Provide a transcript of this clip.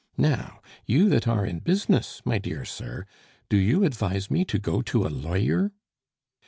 Now, you that are in business, my dear sir, do you advise me to got to a lawyer?"